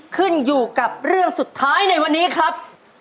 ขึ้นอยู่กับเรื่องสุดท้ายในวันนี้ครับ